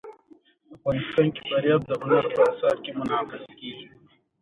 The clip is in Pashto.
افغانستان کې فاریاب د هنر په اثار کې منعکس کېږي.